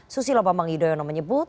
susilo bambang yudhoyono menyebut